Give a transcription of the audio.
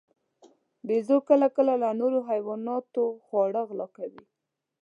بیزو کله کله له نورو حیواناتو خواړه غلا کوي.